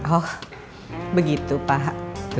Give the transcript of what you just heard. oh begitu pak